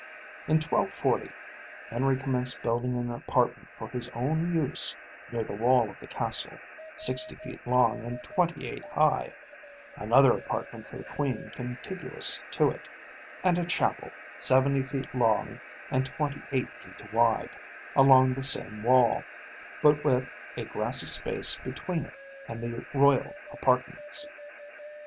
In 1240 Henry commenced building an apartment for his own use near the wall of the castle, sixty feet long and twenty eight high; another apartment for the queen contiguous to it; and a chapel, seventy feet long and twenty eight feet wide, along the same wall, but with a grassy space between it and the royal apartments.